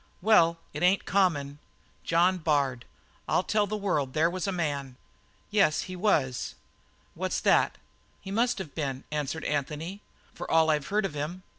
"Well, it ain't common. John Bard! I'll tell the world there was a man." "Yes, he was." "What's that?" "He must have been," answered Anthony, "from all that I've heard of him.